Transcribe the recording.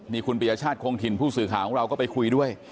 นี่คุณปียชาติคงถิ่นผู้สื่อข่าวของเราก็ไปคุยด้วย